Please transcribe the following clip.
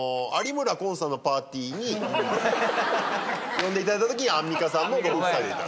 呼んでいただいたときにアンミカさんもご夫妻でいた。